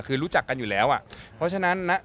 คือรู้จักกันอยู่แล้วอ่ะเพราะฉะนั้นนะ